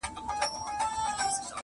ما مي د بابا په هدیره کي ځان لیدلی وو.!